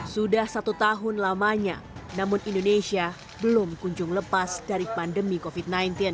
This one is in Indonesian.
sudah satu tahun lamanya namun indonesia belum kunjung lepas dari pandemi covid sembilan belas